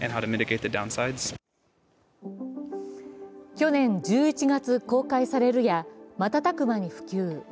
去年１１月公開されるや瞬く間に普及。